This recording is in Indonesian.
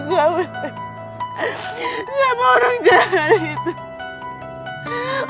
sumpah orang jahat